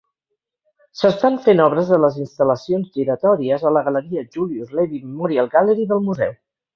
S'estan fent obres a les instal·lacions giratòries a la galeria Julius Levy Memorial Gallery del museu.